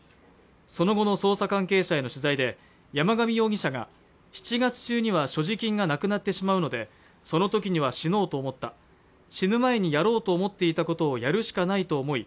その後の捜査関係者への取材で山上容疑者が７月中には所持金がなくなってしまうのでその時には死のうと思った死ぬ前にやろうと思っていたことをやるしかないと思い